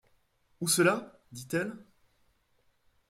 Où cela ? dit-elle.